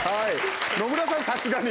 野村さん、さすがに。